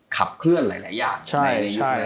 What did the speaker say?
ขับเคลื่อนหลายอย่างในยุคนั้น